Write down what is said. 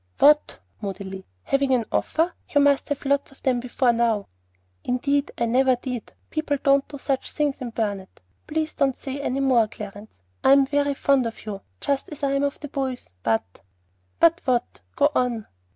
"What?" moodily. "Having an offer? You must have had lots of them before now." "Indeed I never did. People don't do such things in Burnet. Please don't say any more, Clarence. I'm very fond of you, just as I am of the boys; but " "But what? Go on."